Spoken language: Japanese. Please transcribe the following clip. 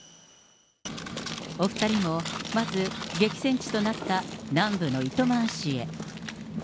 お２人もまず、激戦地となった南部の糸満市へ。